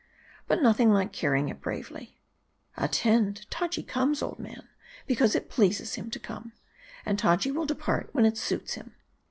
But nothing like carrying it bravely. " Attend. Taji comes, old man, because it pleases him to come. And Taji will depart when it suits him.